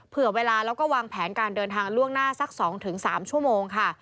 เผื่อเวลาแล้วก็วางแผนการเดินทางล่วงหน้าสัก๒๓ชั่วโมงค่ะ